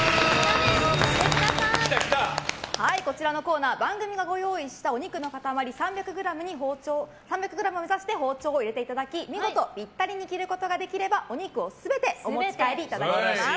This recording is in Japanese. こちらのコーナー番組がご用意したお肉の塊を３００ｇ目指して包丁を入れていただき見事ピッタリに切ることができれば、お肉を全てお持ち帰りいただけます。